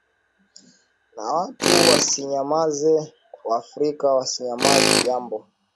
na watu wasinyamaze waafrika wasinyamaze jambo